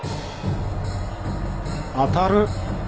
当たる。